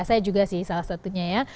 saya juga sih salah satunya ya